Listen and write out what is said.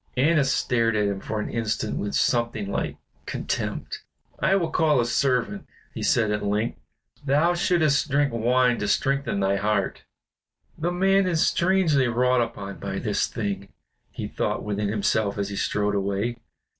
Annas stared at him for an instant with something like contempt. "I will call a servant," he said at length. "Thou shouldst drink wine to strengthen thy heart." "The man is strangely wrought upon by this thing," he thought within himself as he strode away.